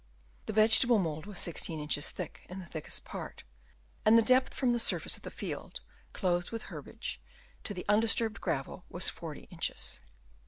The vegetable mould was 16 inches thick in the thickest part; and the depth from the surface of the field, clothed with herbage, to the undisturbed gravel, was 40 inches.